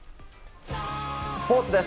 スポーツです。